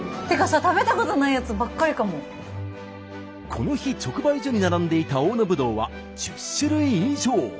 この日直売所に並んでいた大野ぶどうは１０種類以上。